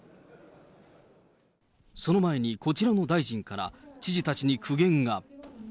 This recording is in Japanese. その前にこちらの大臣から、知事たちに苦言が。